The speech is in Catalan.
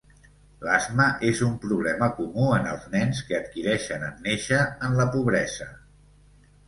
L'asma és un problema comú en els nens que adquireixen en néixer en la pobresa.